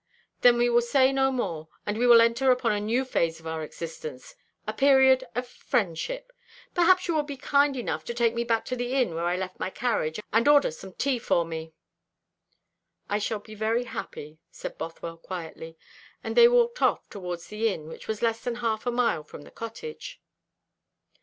"Then we will say no more; and we will enter upon a new phase of our existence the period of friendship. Perhaps you will be kind enough to take me back to the inn where I left my carriage, and order some tea for me?" "I shall be very happy," said Bothwell quietly; and they walked off towards the inn, which was less than half a mile from the cottage.